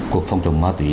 cuộc phòng chống ma túy